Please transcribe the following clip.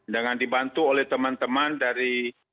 dengan dibantu oleh teman teman dari